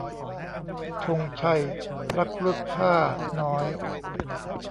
ธงชัยพระครุฑพ่าห์น้อย